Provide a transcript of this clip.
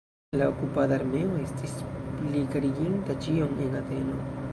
La okupada armeo estis plikariginta ĉion en Ateno.